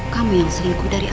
kamu yang selingkuh dari andis